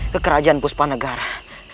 ke kerajaan puspanegara